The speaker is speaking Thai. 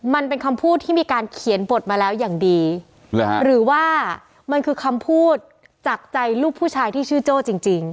มันเป็นคำพูดที่มีการเขียนบทมาแล้วอย่างดีหรือว่ามันคือคำพูดจากใจลูกผู้ชายที่ชื่อโจ้จริงจริง